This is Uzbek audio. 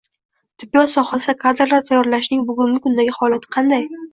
Tibbiyot sohasida kadrlar tayyorlashning bugungi kundagi holati qanday?ng